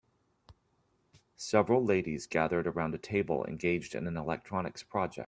Several ladies gathered around a table engaged in an electronics project